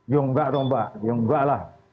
ya nggak dong mbak ya nggak lah